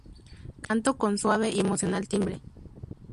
Canto con un suave y emocional timbre.